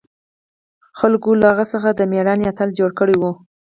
خلقو له هغه څخه د مېړانې اتل جوړ کړى و.